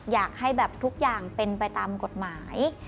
อยากให้แบบทุกอย่างเป็นไปตามกฎหมาย